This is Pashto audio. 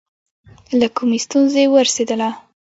له کومې ستونزې ورسېدله.